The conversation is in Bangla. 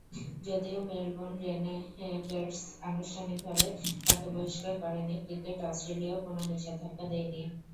যদিও মেলবোর্ন রেনেগের্ডস আনুষ্ঠানিকভাবে তাঁকে বহিষ্কার করেনি, ক্রিকেট অস্ট্রেলিয়াও কোনো নিষেধাজ্ঞা দেয়নি।